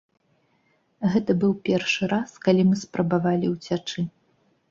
Гэта быў першы раз, калі мы спрабавалі ўцячы.